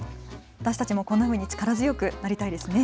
私たちもこんなふうに力強くなりたいですね。